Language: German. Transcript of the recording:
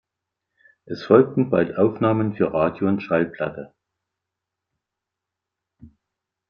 Es folgten bald Aufnahmen für Radio und Schallplatte.